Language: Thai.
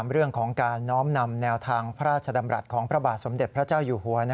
เรื่องของการน้อมนำแนวทางพระราชดำรัฐของพระบาทสมเด็จพระเจ้าอยู่หัว